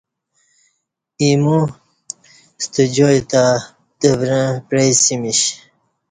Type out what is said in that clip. ایموستہ جای تہ تورں پعیسمیش۔